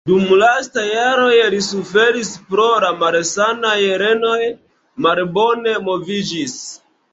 Dum lastaj jaroj li suferis pro malsanaj renoj, malbone moviĝis.